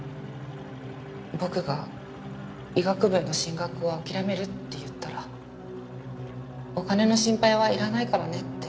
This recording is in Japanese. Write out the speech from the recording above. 僕が医学部への進学を諦めるって言ったらお金の心配はいらないからねって。